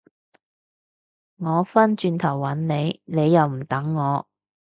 我返轉頭搵你，你又唔等我